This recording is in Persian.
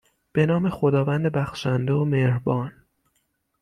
به نام خداوند بخشنده و مهربان